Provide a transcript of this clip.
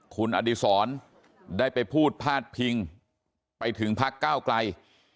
คุณอดีศรได้ไปพูดพาดพิงไปถึงพักก้าวไกล